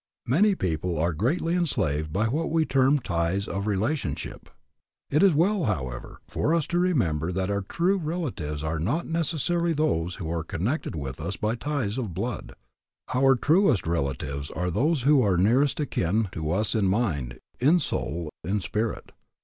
Many people are greatly enslaved by what we term ties of relationship. It is well, however, for us to remember that our true relatives are not necessarily those who are connected with us by ties of blood. Our truest relatives are those who are nearest akin to us in mind, in soul, in spirit.